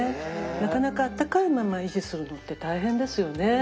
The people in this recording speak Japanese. なかなかあったかいまま維持するのって大変ですよね。